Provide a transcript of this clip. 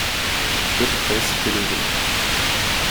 Godfrey s’était levé.